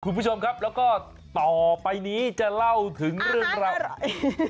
คุณผู้ชมครับแล้วก็ต่อไปนี้จะเล่าถึงเรื่องราวอะไร